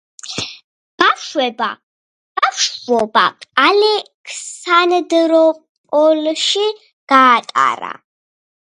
ბავშვობა ალექსანდროპოლში გაატარა.